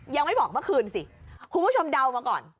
ยังไม่บอกเมื่อคืนสิคุณผู้ชมเดามาก่อน